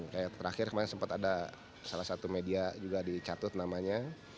kayak terakhir kemarin sempat ada salah satu media juga dicatut namanya